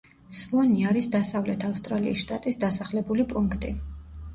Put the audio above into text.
სვონი არის დასავლეთ ავსტრალიის შტატის დასახლებული პუნქტი.